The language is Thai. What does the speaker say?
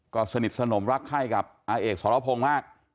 ก็สนิทสนมรักไข้กับอาเอกสรพงศ์มาก